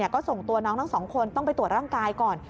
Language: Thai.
ก็ส่งตัวน้องทั้งสองคนต้องไปตรวจร่างกายก่อน